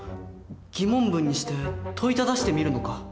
疑問文にして問いただしてみるのか。